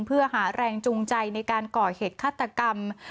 เพื่อหาแรงจูงใจในการก่อเหตุฆาตกรรม